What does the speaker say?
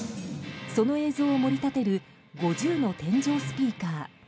その映像を盛り立てる５０の天井スピーカー。